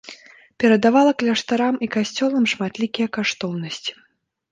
Перадавала кляштарам і касцёлам шматлікія каштоўнасці.